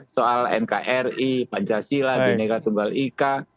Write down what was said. soal nkri pancasila bhinnega tumbal ika